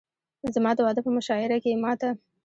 زما د واده په مشاعره کښې يې ما ته